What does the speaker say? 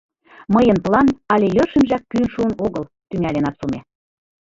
— Мыйын план але йӧршынжак кӱын шуын огыл, — тӱҥале Нацуме.